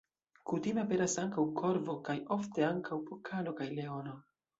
Kutime aperas ankaŭ korvo kaj ofte ankaŭ pokalo kaj leono.